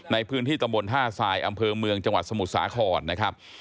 ในพื้นที่ตำบลท่าทรายอำเภอเมืองจังหวัดสมุทรสาครนะครับ